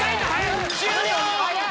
終了！